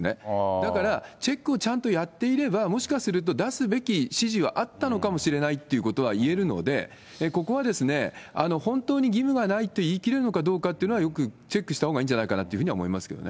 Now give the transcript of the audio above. だから、チェックをちゃんとやっていれば、もしかすると出すべき指示はあったのかもしれないってことは言えるので、ここは本当に義務はないと言い切れるのかどうかというのは、よくチェックしたほうがいいんじゃないかなとは思いますけどね。